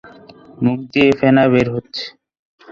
মুখ দিয়ে ফেনা বের হচ্ছে।